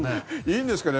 いいんですかね？